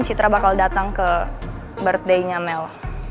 citra bakal datang ke birthday nya mel